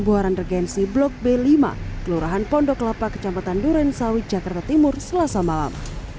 buharan regency blok b lima kelurahan pondok lapa kecamatan durensawi jakarta timur selasa malam